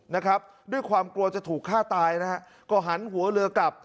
นะครับด้วยความกลัวจะถูกฆ่าตายนะฮะก็หันหัวเรือกลับ